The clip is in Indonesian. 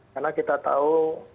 karena kita tahu